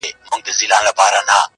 • نن مي واخله پر سر یو مي سه تر سونډو,